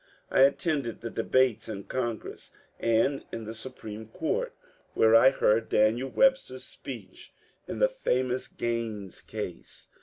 I attended the debates in Congress, and in the Supreme Court, — where I heard Daniel Webster's speech in the famous Graines case.